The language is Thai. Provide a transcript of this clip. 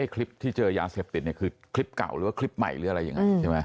คลิปที่เจอยาเสพติดเนี่ยคือคลิปเก่าหรือว่าคลิปใหม่หรืออะไรยังไงใช่ไหม